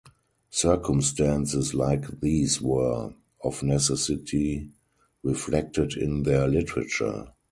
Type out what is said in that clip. Circumstances like these were, of necessity, reflected in their literature.